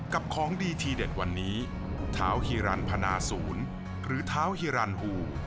กับของดีทีเด็ดวันนี้ท่าวหิรันพนาศูนย์หรือท่าวหิรันฮู